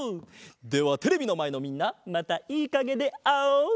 ではテレビのまえのみんなまたいいかげであおう！